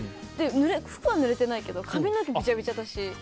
服はぬれていないけど髪の毛べちゃべちゃだし。